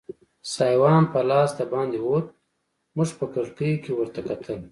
سایوان په لاس دباندې ووت، موږ په کړکۍ کې ورته کتل.